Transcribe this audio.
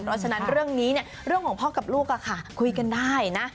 เพราะฉะนั้นเรื่องนี้เรื่องของพ่อกับลูกคุยกันได้นะ